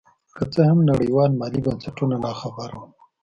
که څه هم نړیوال مالي بنسټونه نا خبره وو.